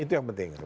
itu yang penting